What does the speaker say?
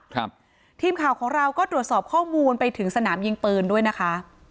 ครับทีมข่าวของเราก็ตรวจสอบข้อมูลไปถึงสนามยิงปืนด้วยนะคะ